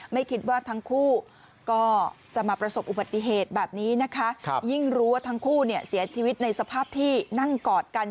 ไม่คิดว่าทั้งคู่ก็จะมาประสบอุบัติเหตุแบบนี้นะคะยิ่งรู้ว่าทั้งคู่เนี่ยเสียชีวิตในสภาพที่นั่งกอดกัน